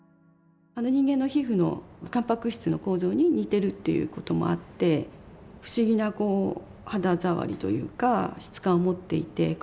人間の皮膚のたんぱく質の構造に似てるっていうこともあって不思議なこう肌触りというか質感を持っていて。